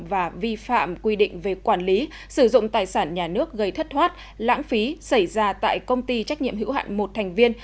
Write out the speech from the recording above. và vi phạm quy định về quản lý sử dụng tài sản nhà nước gây thất thoát lãng phí xảy ra tại công ty trách nhiệm hữu hạn một thành viên